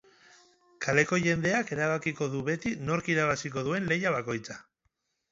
Kaleko jendeak erabakiko du beti nork irabaziko duen lehia bakoitza.